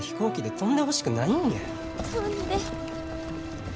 飛んで。